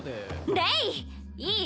レイ！いい？